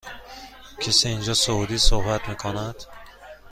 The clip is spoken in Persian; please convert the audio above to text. کسی اینجا سوئدی صحبت می کند؟